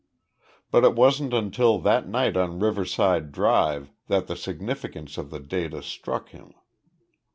"But it wasn't until that night on Riverside Drive that the significance of the data struck him.